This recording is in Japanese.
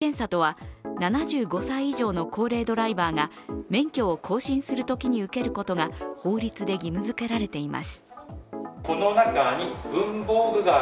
この認知機能検査とは７５歳以上の高齢ドライバーが免許を更新するときに受けることが法律で義務付けられています。